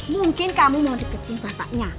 mungkin kamu mau deketin bapaknya